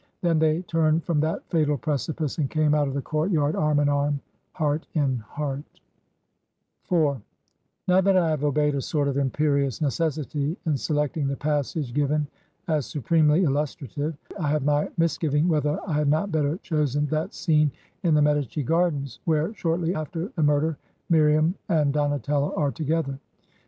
Then they turned from that fatal precipice, and came out of the court yard, arm in arm, heart in heart" IV Now that I have obeyed a sort of imperious necessity in selecting the passage given as supremely illustrative, I have my misgiving whether I had not better chosen that SQene in the Medici Gardens, where shortly after the murder Miriam and Donatello are together.